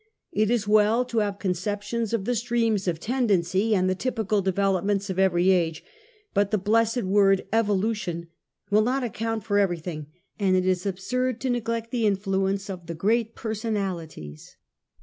It is well to have conceptions of the streams of tendency and the typical developments of every age, but the blessed word ''evolution" will not account for everything, and it is absurd to neglect the influence of the great personalities.